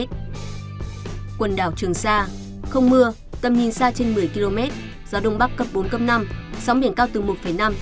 quần đảo trường sa không mưa tầm nhìn xa trên một mươi km gió đông bắc cấp bốn cấp năm sóng biển cao từ một năm đến hai năm m